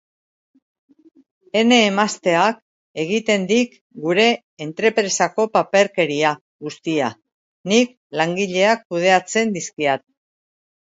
Ene emazteak egiten dik gure entrepresako paperkeria guztia, nik langileak kudeatzen dizkiat.